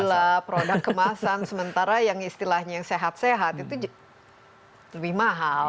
gula produk kemasan sementara yang istilahnya yang sehat sehat itu lebih mahal